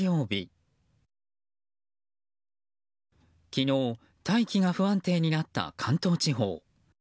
昨日大気が不安定になった関東地方。